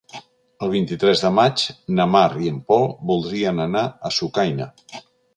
El vint-i-tres de maig na Mar i en Pol voldrien anar a Sucaina.